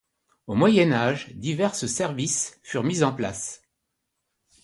Au Moyen Âge, divers services furent mis en place.